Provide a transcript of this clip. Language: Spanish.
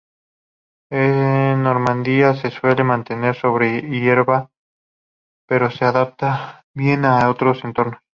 En Normandía se suele mantener sobre hierba, pero se adapta bien a otros entornos.